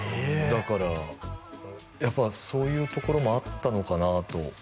だからやっぱそういうところもあったのかなと思います